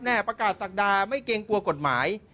ประกาศศักดาไม่เกรงกลัวกฎหมาย